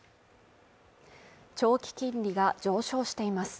長期金利が上昇しています